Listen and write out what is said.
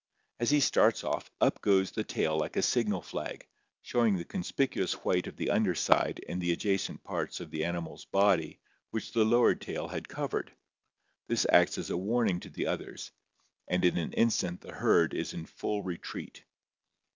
As he starts off, up goes COLORATION AND MIMICRY 237 the tail like a signal flag, showing the conspicuous white of the under side and the adjacent parts of the animal's body which the lowered tail had covered. This acts as a warning to the others and in an instant the herd is in full retreat.